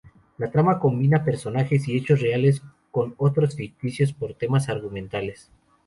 La trama combina personajes y hechos reales con otros ficticios por temas argumentales.